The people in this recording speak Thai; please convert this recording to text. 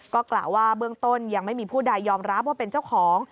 ก็กล่าวว่าเบื้องต้นยังไม่มีผู้ใดยอมรับว่าเป็นเจ้าของ